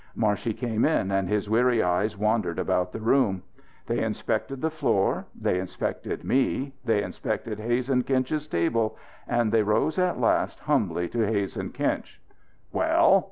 Marshey came in and his weary eyes wandered about the room. They inspected the floor; they inspected me; they inspected Hazen Kinch's table, and they rose at last humbly to Hazen Kinch. "Well?"